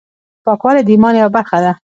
پاکوالی د ایمان یوه برخه ده۔